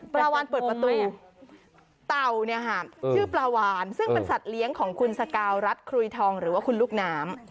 วานเปิดประตูเต่าเนี่ยค่ะชื่อปลาวานซึ่งเป็นสัตว์เลี้ยงของคุณสกาวรัฐครุยทองหรือว่าคุณลูกน้ำ